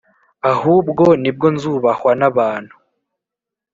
ahubwo nibwo nzubahwa n’abantu